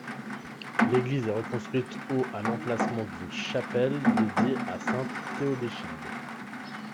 L'église est reconstruite au à l'emplacement d'une chapelle dédiée à sainte Théodechilde.